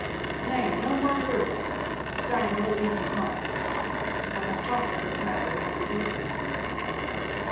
Nay, no more words. Steinar will lead you home; I must talk of this matter with Freydisa."